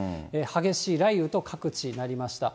激しい雷雨と各地、なりました。